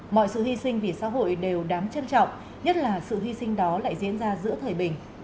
mọi sự hy sinh vì xã hội đều đáng trân trọng nhất là sự hy sinh đó lại diễn ra giữa thời bình